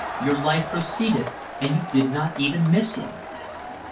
Your life proceeded and you did not even miss him.